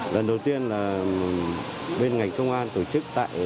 lần đầu tiên là bên ngành công an tổ chức tại cấp huyện